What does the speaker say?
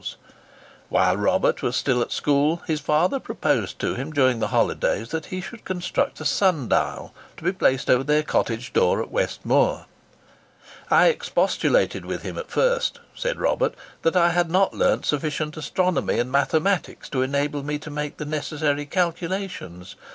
[Picture: The Sundial] While Robert was still at school, his father proposed to him during the holidays that he should construct a sun dial, to be placed over their cottage door at West Moor. "I expostulated with him at first," said Robert, "that I had not learnt sufficient astronomy and mathematics to enable me to make the necessary calculations.